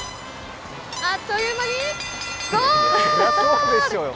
あっという間に、ゴール！！